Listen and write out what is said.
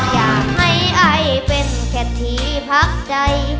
อยากให้ไอเป็นแค่ที่พักใจ